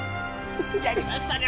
やりましたね